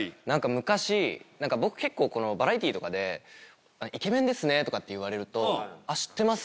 僕結構バラエティーとかで「イケメンですね」とかって言われると知ってます！